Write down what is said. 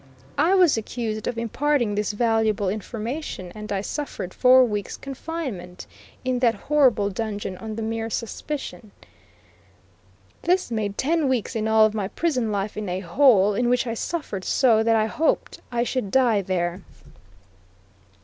I was accused of imparting this valuable information, and I suffered four weeks' confinement in that horrible dungeon on the mere suspicion. This made ten weeks in all of my prison life in a hole in which I suffered so that I hoped I should die there.